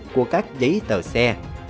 của các giấy tờ xe